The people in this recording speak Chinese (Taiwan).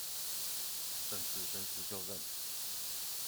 正式宣誓就任